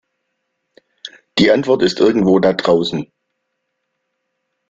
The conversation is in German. Die Antwort ist irgendwo da draußen.